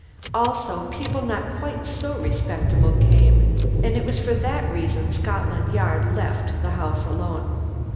Also, people not quite so respectable came, and it was for that reason Scotland Yard left the house alone.